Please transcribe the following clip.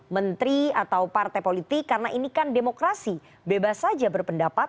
menteri atau partai politik karena ini kan demokrasi bebas saja berpendapat